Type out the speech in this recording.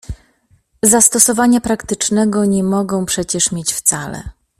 "Zastosowania praktycznego nie mogą przecież mieć wcale."